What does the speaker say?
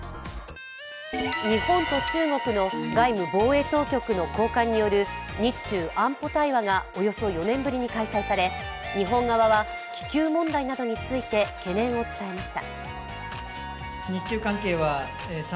日本と中国の外務・防衛当局の高官による日中安保対話がおよそ４年ぶりに開催され、日本側は気球問題などについて懸念を伝えました。